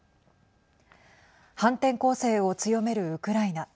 反転攻勢を強めるウクライナ。